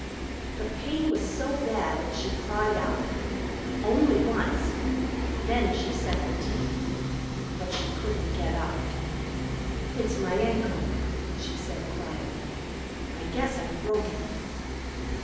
The pain was so bad that she cried out. Only once. Then she set her teeth. But she couldn't get up. "It's my ankle," she said quietly. "I guess I've broken it."